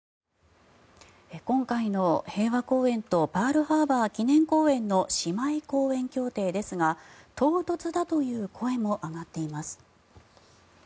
今回の平和公園とパールハーバー記念公園の姉妹公園協定ですが唐突だという声も上がっています。